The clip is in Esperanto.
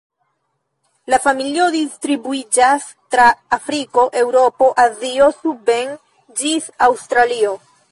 La familio distribuiĝas tra Afriko, Eŭropo, Azio suben ĝis Aŭstralio.